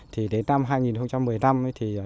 thì đến năm hai nghìn một mươi năm